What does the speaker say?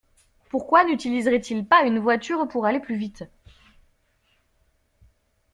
Pourquoi n’utiliserait-il pas une voiture pour aller plus vite?